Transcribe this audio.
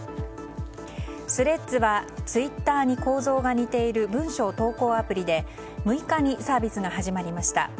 スレッズはツイッターに構造が似ている文章投稿アプリで６日にサービスが始まりました。